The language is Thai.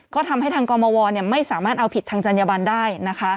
ก็ทำให้ทางกรมวไม่สามารถเอาผิดทางจัญญบันได้นะคะ